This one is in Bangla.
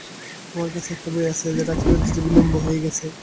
আমার কাছে একটা বই আছে যেটা ফেরত দিতে বিলম্ব হয়ে গেছে।